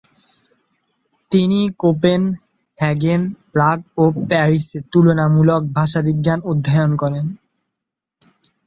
তিনি Copenhagen, Prague ও প্যারিসে তুলনামূলক ভাষাবিজ্ঞান অধ্যয়ন করেন।